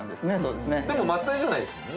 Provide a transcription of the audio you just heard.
でも松江じゃないですもんね。